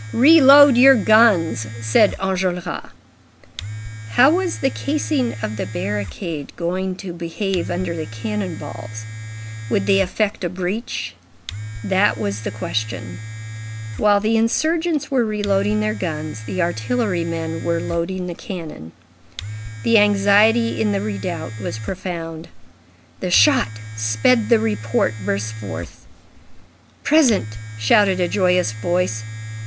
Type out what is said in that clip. "Reload your guns," said Enjolras. How was the casing of the barricade going to behave under the cannon balls? Would they effect a breach? That was the question. While the insurgents were reloading their guns, the artillery men were loading the cannon. The anxiety in the redoubt was profound. The shot sped the report burst forth. "Present!" shouted a joyous voice.